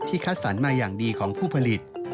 คัดสรรมาอย่างดีของผู้ผลิต